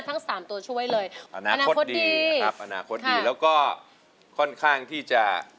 ทั้งสามตัวช่วยเลยอนาคตดีนะครับอนาคตดีแล้วก็ค่อนข้างที่จะ